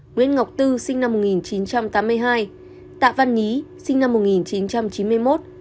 nguyễn ngọc tư sinh năm một nghìn chín trăm tám mươi hai tạ văn nhí sinh năm một nghìn chín trăm chín mươi một